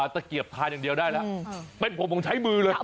ตะเกียบทานอย่างเดียวได้แล้วเป็นผมผมใช้มือเลย